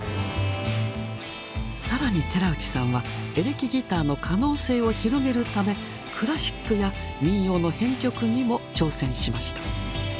更に寺内さんはエレキギターの可能性を広げるためクラシックや民謡の編曲にも挑戦しました。